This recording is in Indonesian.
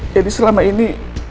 jadi selama ini